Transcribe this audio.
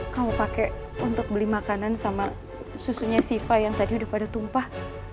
kamu pakai untuk beli makanan sama susunya siva yang tadi udah pada tumpah